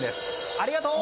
ありがとう！